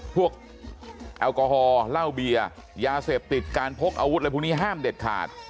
พวกแอลกอฮอลเหล้าเบียร์ยาเสพติดการพกอาวุธอะไรพวกนี้ห้ามเด็ดขาด